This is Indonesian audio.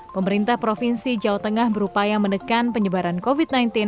pemerintah provinsi jawa tengah berupaya menekan penyebaran covid sembilan belas